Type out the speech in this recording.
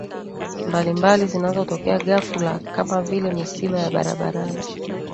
mbalimbali zinazotokea ghafula kama vile misiba ya barabarani